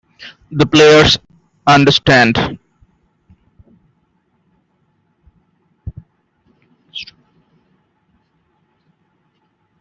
The players understand.